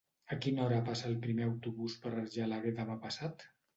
A quina hora passa el primer autobús per Argelaguer demà passat?